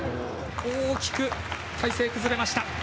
大きく体勢が崩れました。